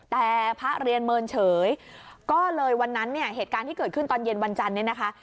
แต่พระเรียนเมินเฉยก็เลยวันนั้นเนี่ยเหตุการณ์ที่เกิดขึ้นตอนเย็นวันจันทร์เนี่ยนะคะ